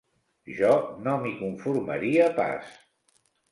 Jo no m'hi conformaria pas.